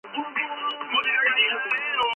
მაგრამ ორჯონიკიძე მალე გარდაიცვალა.